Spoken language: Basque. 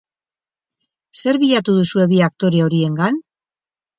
Zer bilatu duzue bi aktore horiengan?